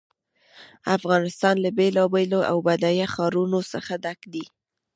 افغانستان له بېلابېلو او بډایه ښارونو څخه ډک دی.